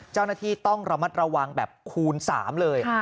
เจ้าหน้าที่ต้องระมัดระวังแบบคูณ๓เลย